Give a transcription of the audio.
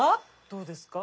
どうですか？